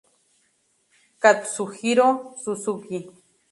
Katsuhiro Suzuki